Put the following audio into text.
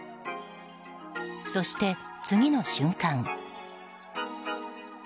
そして、次の瞬間。